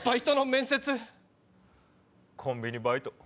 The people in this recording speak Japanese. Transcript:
コンビニバイト。